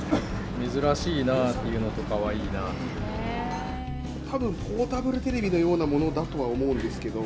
珍しいなというのと、たぶんポータブルテレビのようなものだとは思うんですけど。